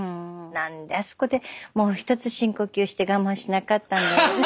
なんであそこでもう１つ深呼吸して我慢しなかったんだろうって。